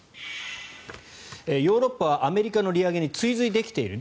ヨーロッパはアメリカの利上げに追随できている。